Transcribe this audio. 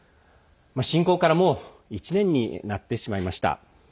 侵攻からもう１年になってしまいました。